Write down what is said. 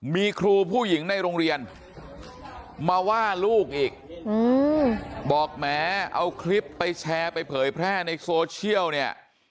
มีครูผู้หญิงในโรงเรียนมาว่าลูกอีกบอกแหมเอาคลิปไปแชร์ไปเผยแพร่ในโซเชียลเนี่ย